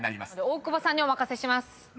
大久保さんにお任せします。